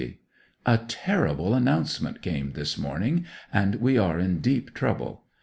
A terrible announcement came this morning; and we are in deep trouble.